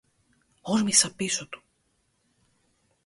Όρμησα πίσω του